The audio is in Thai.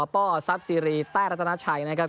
ปซับซีรีส์แปรตะนัชัยนะครับ